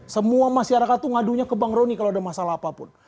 semua masyarakat itu ngadunya ke bang roni kalau ada masalah apapun